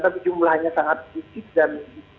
tapi jumlahnya sangat sedikit dan